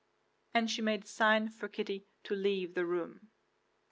And she made a sign for Kitty to leave the room.